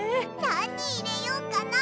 なにいれようかな？